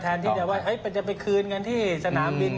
แทนที่จะไปคืนเงินที่สนามบินอย่างเดียว